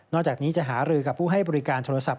จากนี้จะหารือกับผู้ให้บริการโทรศัพ